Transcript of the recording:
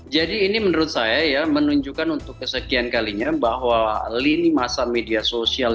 jadi ini menurut saya ya menunjukkan untuk kesekian kalinya bahwa lini masa media sosial